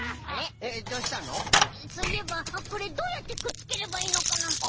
そういえばこれどうやってくっつければいいのかな？